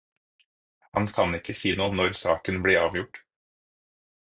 Han kan ikke si noe om når saken blir avgjort.